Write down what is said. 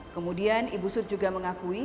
kemudian ibu sut juga mengakui